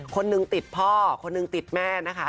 คนหนึ่งติดพ่อคนหนึ่งติดแม่นะคะ